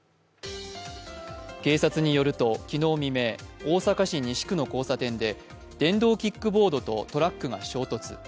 警察によると、昨日未明大阪市西区の交差点で電動キックボードとトラックが衝突。